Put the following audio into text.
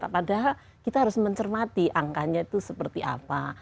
padahal kita harus mencermati angkanya itu seperti apa